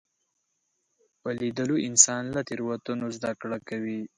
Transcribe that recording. په لیدلو انسان له تېروتنو زده کړه کوي